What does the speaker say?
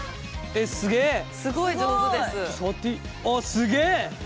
あっすげえ！